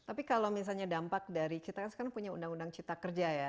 tapi kalau misalnya dampak dari kita kan sekarang punya undang undang cipta kerja ya